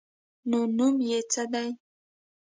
_نو نوم يې څه دی؟